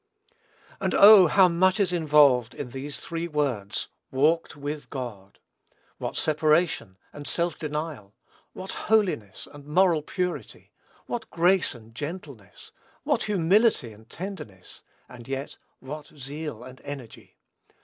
And oh, how much is involved in these three words, "walked with God!" What separation and self denial! what holiness and moral purity! what grace and gentleness! what humility and tenderness! and yet, what zeal and energy!